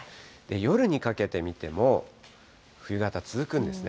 夜にかけて見ても、冬型続くんですね。